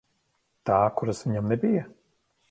Tā, kuras viņam nebija?